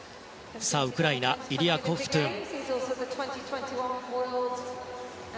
ウクライナイリア・コフトゥン。